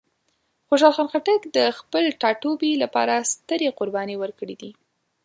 خوشحال خان خټک د خپل ټاټوبي لپاره سترې قربانۍ ورکړې دي.